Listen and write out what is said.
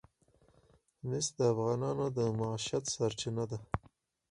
مس د افغانانو د معیشت سرچینه ده.